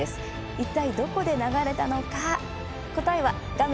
いったい、どこで流れたのか答えは画面